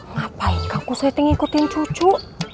ngapain kan temperature setting ngikutin cucu